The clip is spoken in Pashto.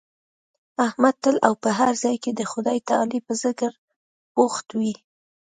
احمد تل او په هر ځای کې د خدای تعالی په ذکر بوخت وي.